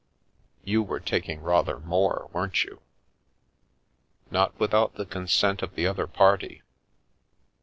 "You were taking rather more, weren't you?" " Not without the consent of the other party."